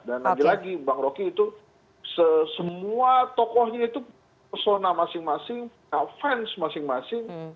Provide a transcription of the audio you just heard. dan lagi lagi bang roky itu semua tokohnya itu persona masing masing fans masing masing